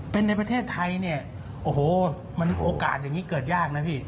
เป็นในประเทศไทยเนี่ยโอ้โหมันโอกาสอย่างนี้เกิดยากนะพี่